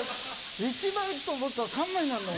１枚と思ったら３枚なんだもん。